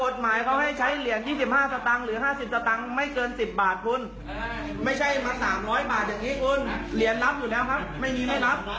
ชำระได้แค่สิบบาทครับผมชำระได้แค่สิบบาทนะครับ